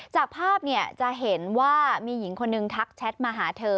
จากภาพจะเห็นว่ามีหญิงคนหนึ่งทักแชทมาหาเธอ